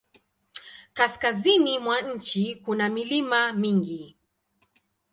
Kaskazini mwa nchi kuna milima mingi.